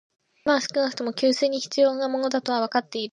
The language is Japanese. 今は少なくとも、給水に必要なものだとはわかっている